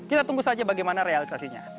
kita tunggu saja bagaimana realisasinya